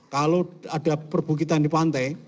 kalau ada perbukitan di pantai